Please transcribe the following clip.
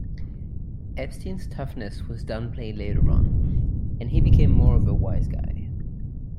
Epstein's toughness was downplayed later on, and he became more of a wiseguy.